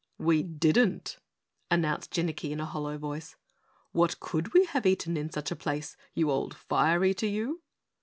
"We didn't!" announced Jinnicky in a hollow voice, "what COULD we have eaten in such a place, you old fire eater, you?"